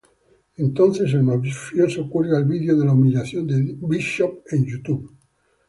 Entonces el mafioso cuelga el vídeo de la humillación de Bishop en YouTube.